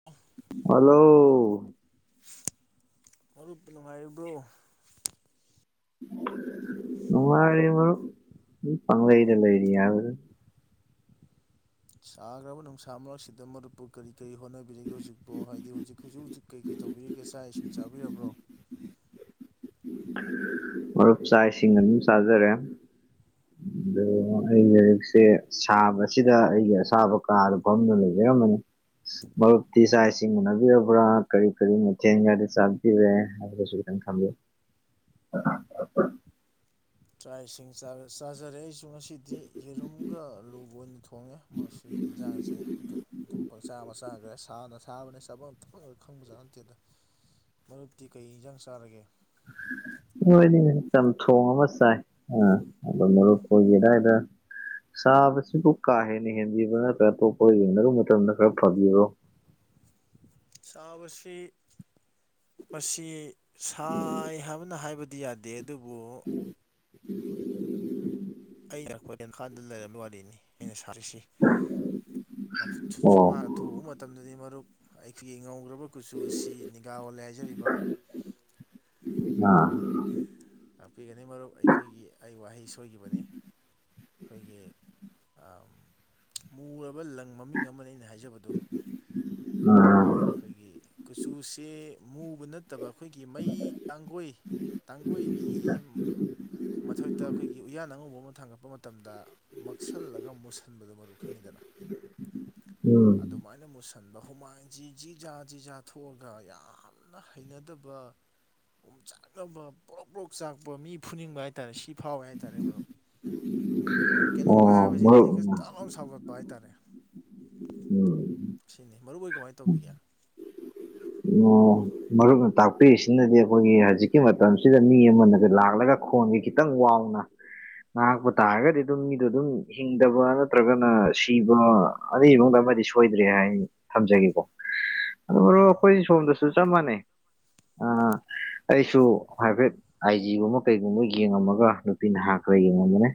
[unintelligible] hello ꯃꯔꯨꯞ ꯅꯨꯡꯉꯥꯏꯔꯤꯕ꯭ꯔꯣ ꯃꯅꯨꯡꯉꯥꯏꯔꯤ ꯃꯔꯨꯞ ꯄꯪꯂꯩꯗ ꯂꯩꯔꯤꯗꯤ ꯍꯥꯢꯕꯗꯨꯅꯤ ꯁꯥꯈ꯭ꯔꯕ ꯅꯨꯡꯁꯥ ꯃꯔꯛꯁꯤꯗ ꯃꯔꯨꯞꯄꯨ ꯀꯔꯤ ꯀꯔꯤ ꯍꯣꯠꯅꯕꯤꯔꯛꯒꯦ ꯍꯧꯖꯤꯛꯄꯨ ꯍꯥꯏꯗꯤ ꯍꯧꯖꯤꯛ ꯍꯧꯖꯤꯛ ꯍꯧꯖꯤꯛ ꯀꯩ ꯀꯩ ꯇꯧꯕꯤꯔꯤꯒꯦ ꯆꯥꯛ ꯏꯁꯤꯡ ꯆꯥꯕꯤꯔꯕ꯭ꯔꯣ ꯃꯔꯨꯞ ꯆꯥꯛ ꯏꯁꯤꯡ ꯑꯗꯨꯝ ꯆꯥꯖꯔꯦ ꯎꯝ ꯑꯩ ꯂꯥꯏꯔꯤꯛꯁꯦ ꯁꯥꯕꯁꯤꯗ ꯑꯩꯒꯤ ꯑꯁꯥꯕ ꯀꯥꯗ ꯐꯝꯗꯨ ꯂꯩꯖꯔꯝꯕꯅꯤ ꯃꯔꯛꯇꯤ ꯆꯥꯛ ꯏꯁꯤꯡ ꯎꯅꯕꯤꯔꯕ꯭ꯔꯥ ꯀꯔꯤ ꯀꯔꯤ ꯃꯊꯦꯟꯒꯗꯤ ꯆꯥꯕꯤꯔꯦ ꯍꯥꯢꯗ꯭ꯔꯁꯨ ꯈꯤꯇꯪ ꯊꯝꯒꯦ ꯆꯥ ꯏꯁꯤꯡ ꯆꯥ ꯆꯥꯖꯔꯦ ꯑꯩꯁꯨ ꯉꯁꯤꯗꯤ ꯌꯦꯔꯨꯝꯒ ꯑꯂꯨꯒ ꯑꯣꯏꯅ ꯊꯣꯡ ꯊꯣꯡꯉꯦ ꯃꯁꯤꯒꯤ ꯏꯟꯖꯥꯡꯁꯤ ꯑꯗꯨ ꯑꯗꯨꯝ ꯄꯪꯆꯥ ꯃꯆꯥꯒ꯭ꯔꯦ ꯁꯥꯅ ꯁꯥꯕꯅꯦ ꯆꯥꯕꯝ ꯊꯛꯐꯝꯒ ꯈꯪꯕꯖꯥꯠ ꯅꯠꯇꯦꯗ ꯃꯔꯨꯞꯇꯤ ꯀꯩ ꯏꯟꯖꯥꯡ ꯆꯥꯔꯒꯦ ꯈꯣꯏꯗꯤ ꯆꯝꯊꯣꯡ ꯑꯃ ꯆꯥꯏ ꯑ ꯑꯗꯣ ꯃꯔꯨꯞ ꯀꯣꯏꯒꯦꯗꯥꯏꯗ ꯁꯥꯕꯁꯤꯕꯨ ꯀꯥ ꯍꯦꯟꯅ ꯍꯦꯟꯕꯤꯕ꯭ꯔꯥ ꯅꯠꯇ꯭ꯔꯒ ꯑꯇꯣꯞꯄ ꯌꯦꯡꯅꯔꯨꯕ ꯃꯇꯝꯗ ꯈꯔ ꯐꯕꯤꯔꯣ ꯆꯥꯕꯁꯤ ꯃꯁꯤ ꯁꯥꯏ ꯍꯥꯏꯕꯅ ꯍꯥꯏꯕ ꯇꯗꯤ ꯌꯥꯗꯦ ꯑꯗꯨꯕꯨ [unintelligible] ꯑꯩꯅ ꯑꯩꯈꯣꯏ ꯇꯦꯟꯈꯥꯜꯗ ꯂꯩꯔꯝꯕ ꯋꯥꯔꯤꯅꯤ ꯑꯩꯅ ꯁꯥꯔꯤꯁꯤ ꯑꯣ ꯁꯨꯃ ꯑꯊꯨꯕ ꯃꯇꯝꯗꯗꯤ ꯃꯔꯨꯞ ꯑꯩꯈꯣꯏꯒꯤ ꯉꯧꯈ꯭ꯔꯕ ꯀꯨꯆꯨ ꯑꯁꯤ ꯅꯤꯒꯥꯋꯜꯂꯦ ꯍꯥꯏꯖꯔꯤꯕ ꯑꯥ ꯇꯥꯛꯄꯤꯒꯅꯤ ꯃꯔꯨꯞ ꯑꯩꯈꯣꯏꯒꯤ ꯑꯩ ꯋꯥꯍꯩ ꯁꯣꯏꯈꯤꯕꯅꯤ ꯑꯩꯈꯣꯏꯒꯤ ꯑꯥ ꯃꯨꯔꯕ ꯂꯪ ꯃꯃꯤꯡ ꯑꯃꯅꯦ ꯑꯩꯅ ꯍꯥꯏꯖꯕꯗꯨ ꯑꯥ ꯑꯗ ꯑꯩꯈꯣꯏꯒꯤ ꯀꯨꯆꯨꯁꯦ ꯃꯨꯕ ꯅꯠꯇꯕ ꯑꯩꯈꯣꯏꯒꯤ ꯃꯩ ꯇꯥꯡꯒꯣꯏ ꯀꯥꯡꯒꯣꯏꯒꯤ ꯃꯊꯛꯇ ꯑꯩꯈꯣꯏꯒꯤ ꯎꯌꯥꯟ ꯑꯉꯧꯕ ꯑꯃ ꯊꯥꯡꯒꯠꯄ ꯃꯇꯝꯗ ꯃꯛꯁꯜꯂꯒ ꯃꯨꯁꯤꯟꯕꯗꯨꯣ ꯃꯔꯨ ꯈꯪꯉꯤꯗꯅ ꯎꯝ ꯑꯗꯨ ꯁꯨꯃꯥꯏꯅ ꯃꯨꯁꯟꯕ ꯍꯨꯃꯥꯏꯟꯁꯤꯖꯤ ꯖꯤꯖꯥ ꯖꯤꯖꯥ ꯊꯣꯛꯑꯒ ꯌꯥꯝ ꯐꯟꯅ ꯍꯩꯅꯗꯕ ꯄꯣ ꯆꯥꯛꯅꯕ ꯄꯣꯔꯣꯛ ꯄꯣꯔꯣꯛ ꯆꯥꯛꯄ ꯃꯤ ꯐꯨꯅꯤꯡꯕ ꯍꯥꯏ ꯍꯥꯏꯇꯥꯔꯦ ꯁꯤ ꯐꯥꯎꯋꯦ ꯍꯥꯏꯇꯥꯔꯦ ꯃꯔꯨꯞ ꯑꯩꯈꯣꯏ ꯀꯩꯅꯣꯝꯒ ꯑꯣ ꯍꯥꯏꯕꯁꯤ ꯃꯔꯨꯞ ꯇꯦꯛꯀ ꯌꯥꯝ ꯁꯥꯎꯒꯠꯄ ꯍꯥꯏꯇꯥꯔꯦ ꯎꯝ ꯁꯤꯅꯤ ꯃꯔꯨꯑꯣꯏ ꯀꯃꯥꯏꯅ ꯇꯧꯕꯤꯒꯦ ꯃꯔꯨꯞꯅ ꯇꯥꯛꯄꯤꯔꯤꯁꯤꯅꯗꯤ ꯑꯩꯈꯣꯏꯒꯤ ꯍꯧꯖꯤꯛꯀꯤ ꯃꯇꯝꯁꯤꯗ ꯃꯤ ꯑꯃꯅ ꯂꯥꯛꯂꯒ ꯈꯣꯟꯒ ꯈꯤꯇꯪ ꯋꯥꯡꯅ ꯉꯥꯏꯍꯥꯛꯄ ꯇꯥꯔꯒꯗꯤ ꯑꯗꯨꯝ ꯃꯤꯗꯣ ꯑꯗꯨꯝ ꯍꯤꯡꯗꯕ ꯅꯠꯇ꯭ꯔꯒꯅ ꯁꯤꯕ ꯑꯗꯨ ꯏꯃꯨꯡꯗ ꯑꯃꯗꯤ ꯁꯣꯏꯗ꯭ꯔꯦ ꯍꯥꯏ ꯊꯝꯖꯒꯦꯀꯣ ꯑꯗꯨ ꯎꯝ ꯑꯩꯈꯣꯏ ꯁꯣꯝꯗꯁꯨ ꯆꯞ ꯃꯥꯟꯅꯩ ꯑ ꯑꯩꯁꯨ ꯍꯥꯏꯐꯦꯠ ꯑꯥꯏꯖꯤꯒꯨꯝꯕ ꯀꯩꯒꯨꯝꯕ ꯌꯦꯡꯉꯝꯃꯒ ꯅꯨꯄꯤ ꯅꯍꯥ ꯈꯔ ꯌꯦꯡꯉꯝꯕꯅꯦ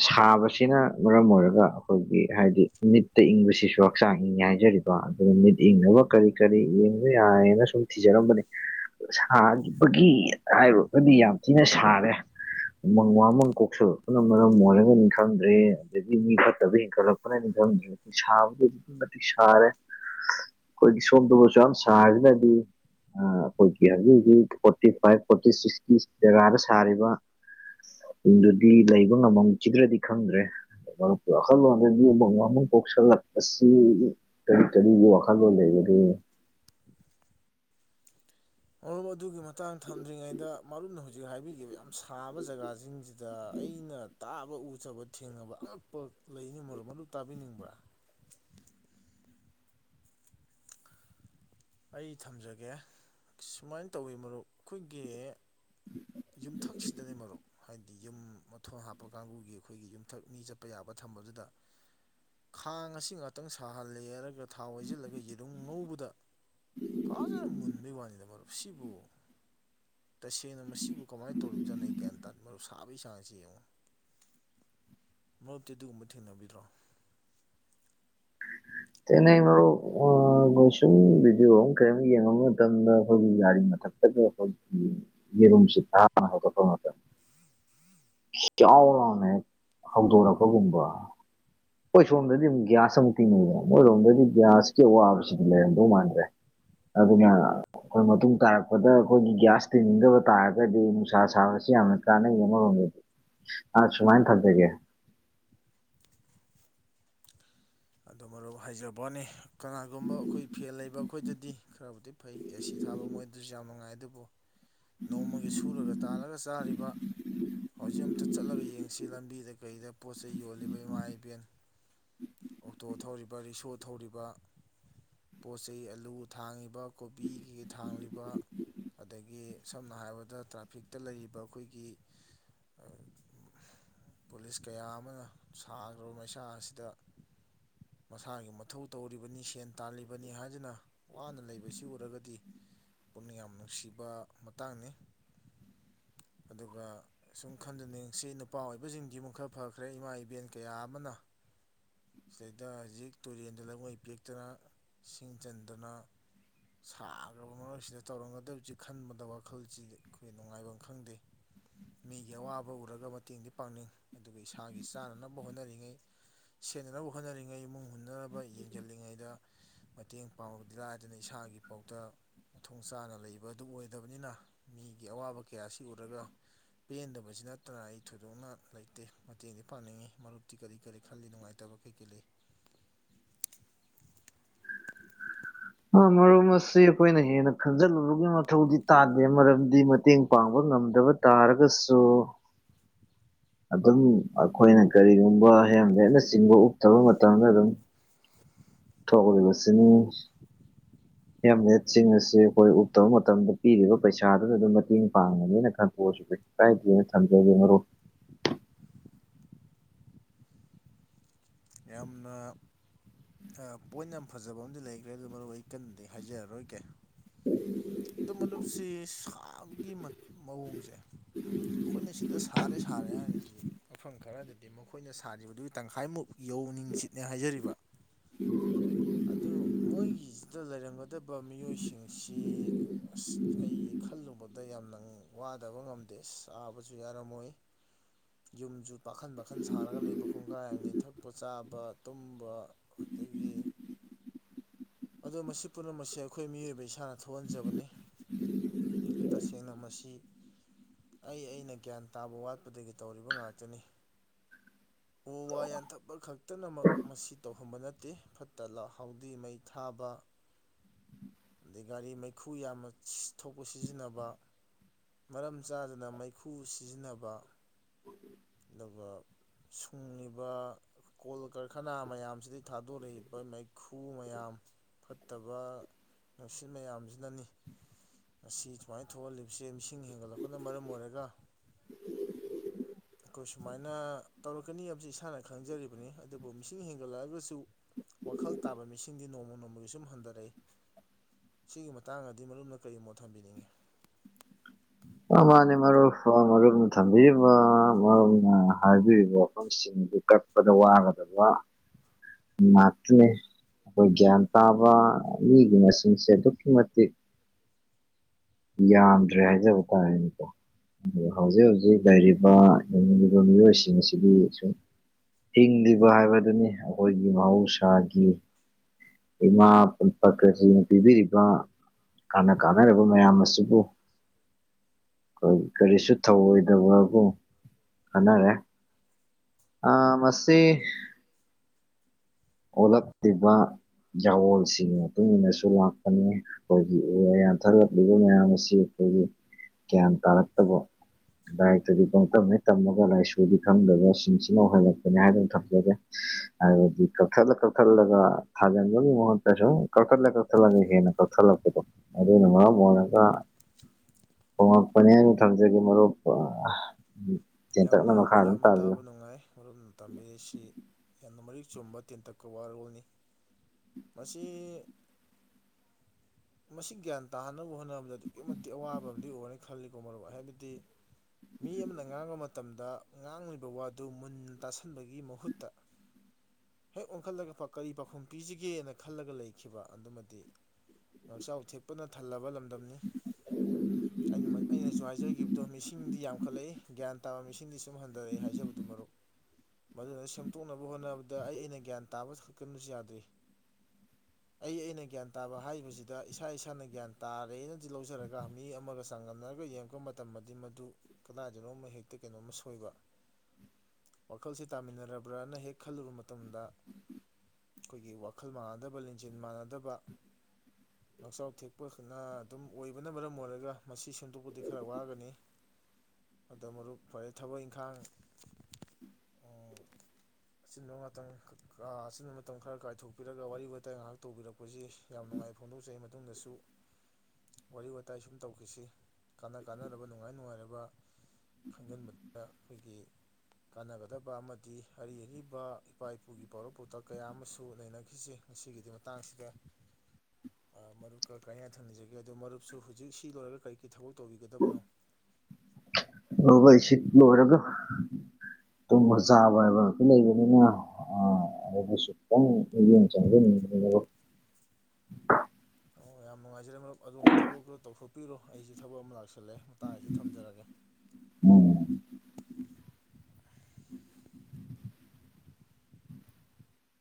ꯁꯥꯕꯁꯤꯅ ꯃꯔꯝ ꯑꯣꯏꯔꯒ ꯑꯩꯈꯣꯏꯒꯤ ꯍꯥꯏꯗꯤ ꯃꯤꯠꯇ ꯏꯪꯕꯁꯤꯁꯨ ꯍꯛꯆꯥꯡ ꯏꯪꯉꯦ ꯍꯥꯏꯖꯔꯤꯕ ꯑꯗꯨꯅ ꯃꯤꯠ ꯏꯪꯅꯕ ꯀꯔꯤ ꯀꯔꯤ ꯌꯦꯡꯕ ꯌꯥꯏꯅ ꯁꯨꯝ ꯊꯤꯖꯔꯝꯕꯅꯦ ꯁꯥꯕꯒꯤ ꯍꯥꯏꯔꯨꯔꯒꯗꯤ ꯌꯥꯝ ꯊꯤꯅ ꯁꯥꯔꯦ ꯎꯃꯪ ꯋꯥꯃꯪ ꯀꯣꯛꯁꯜꯂꯛꯄꯅ ꯃꯔꯝ ꯑꯣꯏꯔꯒ ꯅꯤꯡ ꯈꯪꯗ꯭ꯔꯦ ꯑꯗꯒꯤ ꯃꯤ ꯐꯠꯇꯕ ꯍꯦꯟꯒꯠꯂꯛꯄꯅ ꯅꯤ ꯈꯪꯗ꯭ꯔꯦ ꯁꯥ [unintelligible] ꯐꯖꯅꯗꯤ ꯁꯥꯔ‌ꯦ ꯑꯩꯈꯣꯏꯗꯤ ꯁꯣꯝꯗꯕꯁꯨ ꯌꯥꯝ ꯁꯥꯔꯤꯁꯤꯅꯗꯤ ꯑꯩꯈꯣꯏꯒꯤ ꯍꯧꯖꯤꯛ ꯍꯧꯖꯤꯛ ꯐꯣꯔꯇꯤ ꯐꯥꯏꯚ ꯐꯣꯔꯇꯤ ꯁꯤꯛꯁꯀꯤ ꯖꯒꯥꯗ ꯁꯥꯔꯤꯕ ꯗꯨꯗꯤ ꯂꯩꯕ ꯉꯝꯃꯝꯈꯤꯗ꯭ꯔꯗꯤ ꯈꯪꯗ꯭ꯔꯦ ꯄ ꯋꯥ ꯄꯣꯛꯁꯂ ꯇꯦꯔꯤꯇꯔꯤ ꯀꯜꯕꯨꯗꯒꯔꯤ ꯃꯝ ꯑꯗꯨꯒꯤ ꯃꯇꯥꯡꯗ ꯊꯝꯗ꯭ꯔꯤꯉꯩꯗ ꯃꯥꯝꯅ ꯍꯧꯖꯤꯛ ꯍꯥꯏꯕꯤꯈꯤꯕ ꯌꯥꯝ ꯁꯥꯕ ꯖꯒꯥꯁꯤꯡꯁꯤꯗ ꯑꯩꯅ ꯇꯥꯕ ꯎꯖꯕ ꯊꯦꯡꯅꯕ ꯑꯉꯛꯄ ꯂꯩꯅꯤ ꯃꯔꯣ ꯃꯗꯨ ꯇꯥꯕꯤꯅꯤꯡꯕ꯭ꯔꯥ ꯑꯩ ꯊꯝꯖꯒꯦ ꯁꯨꯃꯥꯏꯅ ꯇꯧꯋꯤ ꯃꯔꯨꯞ ꯑꯩꯈꯣꯏꯒꯤ ꯌꯨꯝꯊꯛꯁꯤꯗꯅꯤ ꯃꯔꯨꯞ ꯍꯥꯏꯗꯤ ꯌꯨꯝ ꯃꯊꯣꯟ ꯍꯥꯞꯄ ꯀꯥꯡꯕꯨꯒꯤ ꯑꯩꯈꯣꯏꯒꯤ ꯌꯨꯝꯊꯛꯅꯤ ꯆꯠꯄ ꯌꯥꯕ ꯊꯝꯕꯗꯨꯗ ꯈꯥꯡ ꯑꯁꯤ ꯉꯥꯛꯇꯪ ꯁꯥꯍꯜꯂꯦ ꯍꯥꯏꯔꯒ ꯊꯥꯎ ꯍꯩꯁꯤꯜꯂꯒ ꯌꯦꯔꯨꯝ ꯉꯧꯕꯗ ꯐꯖꯅ ꯃꯨꯟꯕꯩ ꯋꯥꯅꯤꯗ ꯃꯔꯨꯞ ꯁꯤꯕꯨ ꯇꯁꯦꯡꯅ ꯃꯁꯤ ꯑꯗꯨ ꯀꯃꯅ ꯇꯧꯔꯤꯕꯁꯤꯅ ꯑꯩ ꯒ꯭ꯟ ꯇꯥꯟꯥꯟꯕ ꯁꯥꯕꯩ ꯆꯥꯡꯁꯤ ꯌꯦꯡꯉꯨ ꯃꯔꯨꯞꯛꯇꯤ ꯑꯗꯨꯒꯨꯝꯕ ꯊꯦꯡꯅꯕꯤꯗ꯭ꯔꯣ ꯑꯅ ꯑꯩꯩꯅꯣ ꯁꯨꯝ ꯚꯤꯗꯤꯑꯣ ꯑꯃ ꯀꯔꯤꯝ ꯌꯦꯡꯉꯕ ꯃꯇꯝꯗ ꯑꯩꯈꯣꯏꯒꯤ ꯌꯥꯒꯥꯔꯤ ꯃꯊꯛ [unintelligible] [unintelligible] ꯍꯧꯗꯣꯔꯛꯄꯒꯨꯝꯕ ꯍꯣꯏ ꯁꯣꯝꯗꯗꯤ ꯑꯃꯨ ꯒ꯭ꯌꯥꯁ ꯑꯃꯨꯛꯇꯤꯟꯅꯩꯕ ꯃꯣꯏꯔꯣꯝꯗꯗꯤ ꯒ꯭ꯌꯥꯁ ꯆꯦ ꯋꯥꯕꯁꯤꯗꯤ ꯂꯩꯔꯝꯗꯧ ꯃꯥꯟꯗ꯭ꯔꯦ ꯑꯗꯨꯅ ꯑꯩꯈꯣꯏ ꯃꯇꯨꯡ ꯇꯥꯔꯛꯄꯗ ꯑꯩꯈꯣꯏꯒꯤ ꯒ꯭ꯌꯥꯁ ꯇꯤꯟꯅꯤꯡꯗꯕ ꯇꯥꯔꯒꯗꯤ ꯅꯨꯡꯁꯥ ꯁꯥꯕꯁꯤ ꯌꯥꯝꯅ ꯀꯥꯟꯅꯩ ꯑꯃꯥꯔꯣꯝꯗꯗꯤ ꯑꯁ ꯁꯨꯃꯥꯏꯟ ꯊꯝꯖꯥꯒꯦ ꯑꯗꯨ ꯃꯔꯨꯞ ꯍꯩꯖꯕ ꯋꯥꯅꯤ ꯀꯅꯥꯒꯨꯝꯕ ꯑꯩꯈꯣꯏ ꯐꯦꯜ ꯂꯩꯕ ꯑꯩꯈꯣꯏꯗꯗꯤ ꯈꯔꯕꯨꯗꯤ ꯐꯩ ꯑꯦꯁꯤ ꯊꯥꯕ ꯃꯣꯏꯗꯨꯁꯨ ꯌꯥꯝ ꯅꯨꯡꯉꯥꯏ ꯑꯗꯨꯕꯨ ꯅꯣꯡꯃꯒꯤ ꯁꯨꯔꯒ ꯇꯥꯜꯂꯒ ꯆꯥꯔꯤꯕ ꯍꯧꯖꯤꯛ ꯑꯝꯇ ꯆꯠꯂꯒ ꯌꯦꯡꯁꯤ ꯂꯝꯕꯤꯗ ꯀꯩꯗ ꯄꯣꯠ ꯆꯩꯩ ꯌꯣꯜꯂꯤꯕ ꯏꯃꯥ ꯏꯕꯦꯟ ꯑꯣꯛꯇꯣ ꯊꯧꯔꯤꯕ ꯔꯤꯛꯁꯣ ꯊꯧꯔꯤꯕ ꯄꯣꯠ ꯆꯩ ꯑꯂꯨ ꯊꯥꯡꯉꯤꯕ ꯀꯣꯕꯤ ꯀꯩ ꯊꯥꯡꯂꯤꯕ ꯑꯗꯒꯤ ꯁꯝꯅ ꯍꯥꯏꯔꯕꯗ ꯇ꯭ꯔꯥꯐꯤꯛꯇ ꯂꯩꯔꯤꯕ ꯑꯩꯈꯣꯏꯒꯤ ꯄꯨꯂꯤꯁ ꯀꯌꯥ ꯑꯃꯅ ꯁꯥꯈ꯭ꯔꯕ ꯃꯩꯁꯥ ꯑꯁꯤꯗ [inaudible] ꯃꯁꯥꯒꯤ ꯃꯊꯧ ꯇꯧꯔꯤꯕꯅꯤ ꯁꯦꯟ ꯇꯥꯜꯂꯤꯕꯅꯤ ꯍꯥꯏꯗꯨꯅ ꯋꯥꯅ ꯂꯩꯕꯁꯤ ꯎꯔꯒꯗꯤ ꯄꯨꯛꯅꯤꯡ ꯌꯥꯝ ꯅꯨꯡꯁꯤꯕ ꯃꯇꯥꯡꯅꯤ ꯑꯗꯨꯒ ꯑꯁꯨꯝ ꯈꯟꯖꯅꯤꯡꯁꯤ ꯅꯨꯄꯥ ꯑꯣꯏꯕꯁꯤꯡꯁꯤ ꯑꯃꯨꯛ ꯈꯔ ꯐꯈ꯭ꯔꯦ ꯏꯃꯥ ꯏꯕꯦꯟ ꯀꯌꯥ ꯑꯃꯅ ꯁꯤꯗꯩꯗ ꯍꯧꯖꯤꯛ ꯇꯨꯔꯦꯟꯗ ꯂꯩꯉꯣꯏ ꯄꯦꯛꯇꯅ ꯁꯤꯡ ꯆꯟꯗꯅ ꯁꯥꯈ꯭ꯔꯕ ꯃꯔꯛꯁꯤꯗ ꯇꯧꯔꯝꯒꯗꯕꯁꯤ ꯈꯟꯕꯗ ꯋꯥꯈꯜꯁꯤꯗꯤ ꯑꯩꯈꯣꯏ ꯅꯨꯡꯉꯥꯏꯕꯝ ꯈꯪꯗꯦ ꯃꯤꯒꯤ ꯑꯋꯥꯕ ꯎꯔꯒ ꯃꯇꯦꯡꯗꯤ ꯄꯥꯡꯅꯤꯡ ꯑꯗꯨꯒ ꯏꯁꯥꯒꯤ ꯆꯥꯅꯅꯕ ꯍꯣꯠꯅꯔꯤꯉꯩ ꯁꯦꯠꯅꯅꯕ ꯍꯣꯠꯅꯔꯤꯉꯩ ꯏꯃꯨꯡ ꯍꯨꯟꯅꯅꯕ ꯌꯦꯡꯖꯤꯜꯂꯤꯉꯩꯗ ꯃꯇꯦꯡ ꯄꯥꯡꯕꯗꯤ ꯂꯥꯏꯗꯅ ꯏꯁꯥꯒꯤ ꯄꯥꯎꯇ ꯃꯊꯣꯡ ꯆꯥꯅ ꯂꯩꯕ ꯑꯗꯨ ꯑꯣꯏꯗꯕꯅꯤꯅ ꯃꯤꯒꯤ ꯑꯋꯥꯕ ꯀꯌꯥꯁꯤ ꯎꯔꯒ ꯄꯦꯟꯗꯕꯁꯤ ꯅꯠꯇꯅ ꯑꯩ ꯊꯣꯏꯗꯣꯛꯅ ꯂꯩꯇꯦ ꯃꯇꯦꯡꯗꯤ ꯄꯥꯡꯅꯤꯡꯉꯤ ꯃꯔꯨꯞꯇꯤ ꯀꯔꯤ ꯀꯔꯤ ꯈꯜꯂꯤ ꯅꯨꯡꯉꯥꯏ ꯇꯕ ꯀꯩꯀꯩ ꯂꯩ ꯃꯔꯨꯝ ꯑꯁꯤ ꯑꯩꯈꯣꯏꯅ ꯍꯦꯟꯅ ꯈꯟꯖꯤꯜꯂꯨꯕꯒꯤ ꯃꯊꯧꯗꯤ ꯇꯥꯗꯦ ꯃꯔꯝꯗꯤ ꯃꯇꯦꯡ ꯄꯥꯡꯕ ꯉꯝꯗꯕ ꯇꯥꯔꯒꯁꯨ ꯑꯗꯨꯝ ꯑꯩꯈꯣꯏꯅ ꯀꯔꯤꯒꯨꯝꯕ ꯍꯦꯝꯂꯦꯠꯅꯥ ꯆꯤꯡꯕ ꯎꯞꯇꯕ ꯃꯇꯝꯗ ꯑꯗꯨꯝ ꯊꯣꯛꯎꯏꯕꯥ ꯆꯤꯅꯤ [inaudible] ꯍꯦꯂꯦꯠꯁꯤꯡ ꯑꯁꯤ ꯑꯩꯈꯣꯏ ꯎꯞꯇꯕ ꯃꯇꯝꯗ ꯄꯤꯔꯤꯕ ꯄꯩꯁꯥꯗꯨꯅ ꯑꯗꯨꯝ ꯃꯇꯦꯡ ꯄꯥꯡꯕꯅꯤꯅ ꯈꯟꯗꯣꯛꯑꯁꯨ [unintelligible] ꯌꯥꯝꯅ ꯄꯣꯏꯟ ꯌꯥꯝ ꯐꯖꯕ ꯑꯃꯗꯤ ꯂꯩꯈ꯭ꯔꯦ ꯑꯗꯨ ꯃꯔꯨ ꯑꯩ ꯀꯟꯅꯗꯤ ꯍꯥꯏꯖꯔꯔꯣꯏꯒꯦ ꯑꯗꯨ ꯃꯔꯨꯞꯁꯤ ꯁꯥꯕꯒꯤ ꯃꯠ ꯃꯑꯣꯡꯁꯦ ꯑꯩꯈꯣꯏꯅ ꯁꯤꯗ ꯁꯥꯔꯦ ꯁꯥꯔꯦ ꯍꯥꯏꯔꯤꯁꯤ ꯃꯐꯝ ꯈꯔꯗꯗꯤ ꯃꯈꯣꯏꯅ ꯁꯥꯔꯤꯕꯗꯨꯒꯤ ꯇꯪꯈꯥꯏꯃꯨꯛ ꯌꯧꯅꯤꯡꯆꯤꯠꯅꯦ ꯍꯥꯏꯖꯔꯤꯕ ꯑꯗꯨ ꯃꯣꯏꯒꯤꯁꯤꯗ ꯂꯩꯔꯝꯒꯗꯕ ꯃꯤꯑꯣꯏꯁꯤꯡꯁꯤ ꯑꯁ ꯑꯩ ꯈꯜꯂꯨꯕꯗ ꯌꯥꯝꯅ ꯋꯥꯗꯕ ꯉꯝꯗꯦ ꯆꯥꯕꯁꯨ ꯌꯥꯔꯝꯃꯣꯏ ꯌꯨꯝꯁꯨ ꯄꯥꯈꯟ ꯄꯥꯈꯟ ꯁꯥꯔꯒ ꯂꯩꯕ ꯀꯨꯡꯒꯥꯏ ꯑꯃꯅꯤ ꯊꯛꯄ ꯆꯥꯕ ꯇꯨꯝꯕ ꯑꯗꯒꯤ ꯑꯗꯣ ꯃꯁꯤ ꯄꯨꯝꯅꯃꯛꯁꯦ ꯑꯩꯈꯣꯏ ꯃꯤꯑꯣꯏꯕ ꯏꯁꯥꯅ ꯊꯣꯛꯍꯟꯖꯕꯅꯤ ꯇꯁꯦꯡꯅ ꯃꯁꯤ ꯑꯩ ꯑꯩꯅ ꯒ꯭ꯌꯥꯟ ꯇꯥꯕ ꯋꯥꯠꯄꯗꯒꯤ ꯇꯧꯔꯤꯕ ꯉꯥꯛꯇꯅꯤ ꯎ ꯋꯥ ꯌꯥꯟꯊꯠꯄ ꯈꯛꯇꯅꯃꯛ ꯃꯁꯤ ꯇꯧꯍꯟꯕ ꯅꯠꯇꯦ ꯐꯠꯗꯥ ꯍꯥꯎꯗꯤ ꯃꯩ ꯊꯥꯕ ꯑꯗꯩ ꯒꯥꯔꯤ ꯃꯩꯈꯨ ꯌꯥꯝꯅ ꯊꯣꯛꯄ ꯁꯤꯖꯤꯟꯅꯕ ꯃꯔꯝ ꯆꯥꯗꯅ ꯃꯩꯈꯨ ꯁꯤꯖꯤꯟꯅꯕ ꯑꯗꯨꯒ ꯁꯨꯡꯉꯤꯕ ꯀꯣꯜ ꯀꯔꯈꯅꯥ ꯃꯌꯥꯝꯁꯤꯗꯒꯤ ꯊꯥꯗꯣꯔꯛꯏꯕ ꯃꯩꯈꯨ ꯃꯌꯥꯝ ꯐꯠꯇꯕ ꯅꯨꯡꯁꯤꯠ ꯃꯌꯥꯝꯁꯤꯅꯅꯤ ꯉꯁꯤ ꯁꯨꯃꯥꯏꯅ ꯊꯣꯛꯍꯜꯂꯤꯕꯁꯦ ꯃꯤꯁꯤꯡ ꯍꯦꯟꯒꯠꯂꯛꯄꯅ ꯃꯔꯝ ꯑꯣꯏꯔꯒ [inaudible] ꯑꯩꯈꯣꯏ ꯁꯨꯃꯥꯏꯅ ꯇꯧꯔꯛꯀꯅꯤ ꯍꯥꯏꯕꯁꯤ ꯏꯁꯥꯅ ꯈꯪꯖꯔꯤꯕꯅꯤ ꯑꯗꯨꯕꯨ ꯃꯤꯁꯤꯡ ꯍꯦꯟꯒꯠꯂꯛꯑꯒꯁꯨ ꯋꯥꯈꯜ ꯇꯥꯕ ꯃꯤꯁꯤꯡꯗꯤ ꯅꯣꯡꯃ ꯅꯣꯡꯃꯒꯤ ꯁꯨꯝ ꯍꯟꯊꯔꯛꯏ ꯁꯤꯒꯤ ꯃꯇꯥꯡꯗꯗꯤ ꯃꯔꯨꯞꯅ ꯀꯔꯤꯃꯣꯠ ꯊꯝꯕꯤꯅꯤꯡꯉꯤ ꯃꯥ ꯃꯥꯅꯦ ꯃꯔꯨꯞ ꯃꯔꯨꯞꯅ ꯊꯝꯕꯤꯔꯤꯕ ꯃꯔꯨꯞꯅ ꯍꯥꯏꯕꯤꯔꯤꯕ ꯋꯥꯐꯝꯁꯤꯡ ꯑꯗꯨꯈꯛ ꯆꯠꯄꯗ ꯋꯥꯒꯗꯕ ꯉꯥꯛꯇꯅꯦ [unintelligible] [unintelligible] ꯑꯩꯈꯣꯏ ꯒ꯭ꯌꯥꯟ ꯇꯥꯕ ꯃꯤꯒꯤ ꯃꯁꯤꯡꯁꯦ ꯑꯗꯨꯛꯀꯤ ꯃꯇꯤꯛ ꯌꯥꯝꯗ꯭ꯔꯦ ꯍꯥꯏꯖꯕ ꯇꯥꯔꯦꯅꯦꯀꯣ ꯍꯧꯖꯤꯛ ꯍꯧꯖꯤꯛ ꯂꯩꯔꯤꯕ ꯍꯤꯡꯂꯤꯕ ꯃꯤꯑꯣꯏꯁꯤꯡ ꯑꯁꯤꯗꯤ ꯁꯨꯝ ꯍꯤꯡꯂꯤꯕ ꯍꯥꯏꯕꯗꯨꯅꯤ ꯑꯩꯈꯣꯏꯒꯤ ꯃꯍꯧꯁꯥꯒꯤ ꯏꯃꯥ ꯄꯔꯀ꯭ꯔꯤꯜꯇꯤꯅ ꯄꯤꯕꯤꯔꯤꯕ ꯀꯥꯟꯅ ꯀꯥꯟꯅꯔꯕ ꯃꯌꯥꯝ ꯑꯁꯤꯕꯨ ꯑꯩꯈꯣꯏ ꯀꯔꯤꯁꯨ ꯊꯧꯑꯣꯏꯗꯕꯒꯨꯝ ꯈꯟꯅꯔꯦ ꯑꯥ ꯃꯁꯤ ꯑꯣꯜꯂꯛꯂꯤꯕ ꯌꯥꯋꯣꯜꯁꯤꯒꯤ ꯃꯇꯨꯡ ꯏꯟꯅꯁꯨ ꯂꯥꯛꯄꯅꯤ ꯑꯩꯈꯣꯏꯒꯤ ꯎ ꯋꯥ ꯌꯥꯟꯊꯔꯂꯛꯂꯤꯕ ꯃꯌꯥꯝ ꯑꯁꯤ ꯑꯩꯈꯣꯏꯒꯤ ꯒ꯭ꯌꯥꯟ ꯇꯥꯔꯛꯇꯕ ꯂꯥꯏꯔꯤꯛꯇꯗꯤ ꯄꯪꯇꯝꯍꯦꯛ ꯇꯝꯃꯒ ꯂꯥꯏꯁꯨꯗꯤ ꯈꯪꯗꯕꯁꯤꯡꯁꯤꯅ ꯑꯣꯏꯍꯜꯂꯛꯄꯅꯤ ꯍꯥꯏꯗꯨꯅ ꯊꯝꯖꯒꯦ ꯑ [unintelligible] ꯀꯛꯊꯛꯂ ꯀꯛꯊꯛꯂꯒ ꯊꯥꯖꯟꯕꯒꯤ ꯃꯍꯨꯠ ꯁꯨꯝ ꯀꯛꯊꯛꯂ ꯀꯛꯊꯛꯂꯒ ꯍꯦꯟꯅ ꯀꯛꯊꯛꯂꯛꯄꯗꯣ ꯑꯗꯨꯅ ꯃꯔꯝ ꯑꯣꯏꯔꯒ ꯍꯣꯉꯛꯄꯅꯦ ꯍꯥꯏꯅ ꯊꯝꯖꯒꯦ ꯃꯔꯨꯞ ꯇꯦꯟꯇꯛꯅ ꯌꯥꯝꯅ ꯃꯈꯥ ꯑꯗꯨꯝ ꯌꯥꯝꯅ ꯇꯥꯕꯤꯌꯨ ꯇꯥꯕ ꯅꯨꯡꯉꯥꯏ ꯃꯔꯨꯞ ꯇꯝꯕꯤꯔꯤꯁꯤ ꯌꯥꯝꯅ ꯃꯔꯤꯛ ꯆꯨꯝꯕ ꯇꯦꯟꯇꯛꯄ ꯋꯥꯔꯣꯜꯅꯤ ꯃꯁꯤ ꯃꯁꯤ ꯒ꯭ꯌꯥꯟ ꯇꯥꯍꯟꯅꯕ ꯍꯣꯠꯅꯕꯗ ꯑꯗꯨꯛꯀꯤ ꯃꯇꯤꯛ ꯑꯋꯥꯕ ꯑꯃꯗꯤ ꯑꯣꯏꯔꯅꯤ ꯈꯜꯂꯤꯀꯣ ꯃꯔꯨꯞ ꯍꯥꯏꯕꯗꯤ ꯃꯤ ꯑꯃꯅ ꯉꯥꯡꯕ ꯃꯇꯝꯗ ꯉꯥꯡꯂꯤꯕ ꯋꯥꯗꯨ ꯃꯨꯟꯅ ꯇꯥꯁꯟꯕꯒꯤ ꯃꯍꯨꯠꯇ ꯍꯦꯛ ꯑꯣꯟꯈꯠꯂꯒ ꯀꯔꯤ ꯄꯥꯎꯈꯨꯝ ꯄꯤꯁꯤꯒꯦ ꯒꯦꯅ ꯈꯜꯂꯒ ꯂꯩꯈꯤꯕ ꯑꯗꯨꯃꯗꯤ ꯉꯥꯛꯆꯥꯎ ꯊꯦꯛꯄꯅ ꯊꯜꯂꯕ ꯂꯝꯗꯝꯅꯤ ꯑꯩꯅ ꯑꯩꯅꯁꯨ ꯍꯥꯏꯖꯒꯤꯈꯤꯕꯗꯣ ꯃꯤꯁꯤꯡꯗꯤ ꯌꯥꯝꯈꯠꯂꯛꯏ ꯒ꯭ꯌꯥꯟ ꯇꯥꯕ ꯃꯤꯁꯤꯡꯗꯤ ꯁꯨꯝ ꯍꯟꯗꯔꯛꯏ ꯍꯥꯏꯖꯕꯗꯨ ꯃꯔꯨꯞ ꯃꯗꯨꯅ ꯁꯦꯝꯗꯣꯛꯅꯕ ꯍꯣꯠꯅꯕꯗ ꯑꯩ ꯑꯩꯅ ꯒ꯭ꯌꯥꯟ ꯇꯥꯕ ꯈꯥꯛꯇꯅꯁꯨ ꯌꯥꯗ꯭ꯔꯤ ꯑꯩ ꯑꯩꯅ ꯒ꯭ꯌꯥꯟ ꯇꯥꯕ ꯍꯥꯏꯔꯤꯕꯁꯤꯗ ꯏꯁꯥ ꯏꯁꯥꯅ ꯒ꯭ꯌꯥꯟ ꯇꯥꯔꯦꯅꯗꯤ ꯂꯧꯖꯔꯒ ꯃꯤ ꯑꯃꯒ ꯆꯥꯡꯗꯝꯝꯅꯔꯒ ꯌꯦꯡ ꯉꯥꯛꯄ ꯃꯇꯝꯗꯤ ꯃꯗꯨ ꯀꯗꯥꯏꯗꯅꯣꯃ ꯍꯦꯛꯇ ꯀꯩꯅꯣꯝꯃ ꯁꯣꯏꯕ ꯋꯥꯈꯜꯁꯦ ꯇꯥꯃꯤꯟꯅꯔꯕ꯭ꯔꯅ ꯍꯦꯛ ꯈꯜꯂꯨꯕ ꯃꯇꯝꯗ ꯑꯩꯈꯣꯏꯒꯤ ꯋꯈꯥꯜ ꯃꯥꯟꯅꯗꯕ ꯂꯦꯟꯖꯦꯜ ꯃꯥꯟꯅꯗꯕ ꯂꯥꯛꯆꯥꯎ ꯊꯦꯛꯄꯁꯤꯅ ꯑꯗꯨꯝ ꯑꯣꯏꯕꯅ ꯃꯔꯝ ꯑꯣꯏꯔꯒ ꯃꯁꯤ ꯁꯦꯝꯗꯣꯛꯄꯗꯤ ꯈꯔ ꯋꯥꯒꯅꯤ ꯑꯗꯣ ꯃꯔꯨꯞ ꯐꯔꯦ ꯊꯕꯛ ꯏꯪꯈꯥꯡ ꯎꯝ ꯑꯆꯤꯟꯕ ꯃꯇꯝ ꯀꯥ ꯑꯆꯤꯟꯕ ꯃꯇꯝ ꯈꯔ ꯀꯥꯏꯊꯣꯛ ꯄꯤꯔꯒ ꯋꯥꯔꯤ ꯋꯥꯇꯥꯏ ꯉꯥꯏꯍꯥꯛ ꯇꯧꯕꯤꯔꯛꯄꯖꯤ ꯌꯥꯝ ꯅꯨꯡꯉꯥꯏ ꯐꯣꯡꯗꯣꯛꯆꯩ ꯃꯇꯨꯡꯗꯁꯨ ꯋꯥꯔꯤ ꯋꯥꯇꯥꯏ ꯁꯨꯝ ꯇꯧꯈꯤꯁꯤ ꯀꯥꯟꯅ ꯀꯥꯟꯅꯔꯕ ꯅꯨꯡꯉꯥꯏ ꯅꯨꯡꯉꯥꯏꯔꯕ ꯈꯪꯖꯤꯟꯕꯗꯨꯗ ꯑꯩꯈꯣꯏꯒꯤ ꯀꯥꯟꯅꯒꯗꯕ ꯑꯃꯗꯤ ꯑꯔꯤ ꯑꯔꯤꯕ ꯏꯄꯥ ꯏꯄꯨꯒꯤ ꯄꯥꯎꯔꯧ ꯄꯥꯎꯇꯥꯛ ꯀꯌꯥ ꯑꯃꯁꯨ ꯅꯩꯅ ꯈꯤꯁꯤ ꯉꯁꯤꯒꯤꯗꯤ ꯃꯇꯥꯡꯁꯤꯗ ꯑꯥ ꯃꯔꯨꯞꯀꯥ ꯀꯥꯏꯅ ꯌꯥꯊꯪ ꯅꯤꯖꯒꯦ ꯑꯗꯣ ꯃꯔꯨꯞꯁꯨ ꯍꯧꯖꯤꯛ ꯁꯤ ꯂꯣꯏꯔꯒ ꯀꯔꯤ ꯀꯔꯤ ꯊꯕꯛ ꯇꯧꯕꯤꯒꯗꯕꯅꯣ ꯑꯣ ꯑꯩ ꯁꯤ ꯂꯣꯏꯔꯒ ꯇꯨꯝꯕ ꯆꯥꯕ ꯍꯥꯏꯕ ꯃꯥꯁꯨ ꯂꯩꯕꯅꯤꯅ ꯑꯥ ꯑꯗꯨꯁꯨ ꯈꯤꯇꯪ ꯌꯦꯡ [unintelligible] ꯑꯣ ꯌꯥꯝ ꯅꯨꯡꯉꯥꯏꯖꯔꯦ ꯃꯔꯨꯞ ꯑꯗꯣꯝꯒꯤ ꯊꯕꯛꯇꯣ ꯇꯧꯊꯣꯛꯄꯤꯔꯣ ꯑꯩꯖꯨ ꯊꯕꯛ ꯑꯃ ꯂꯥꯛꯁꯜꯂꯦ ꯃꯇꯥꯡ ꯑꯁꯤ ꯊꯝꯖꯥꯔꯒꯦ ꯎꯝ